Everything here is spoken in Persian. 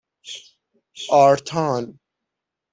آرتان